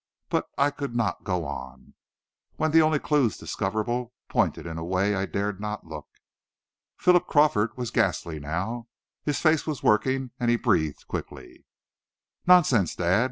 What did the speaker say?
But I could not go on, when the only clues discoverable pointed in a way I dared not look. Philip Crawford was ghastly now. His face was working and he breathed quickly. "Nonsense, Dad!"